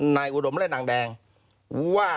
อุดมและนางแดงว่า